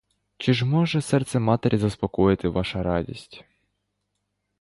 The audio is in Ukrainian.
Чи ж може серце матері заспокоїти ваша радість!